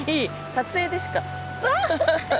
撮影でしか。